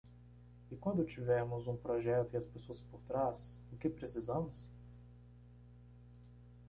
E quando tivermos o projeto e as pessoas por trás, o que precisamos?